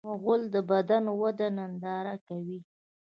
غول د بدن وده ننداره کوي.